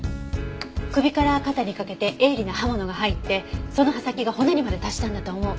首から肩にかけて鋭利な刃物が入ってその刃先が骨にまで達したんだと思う。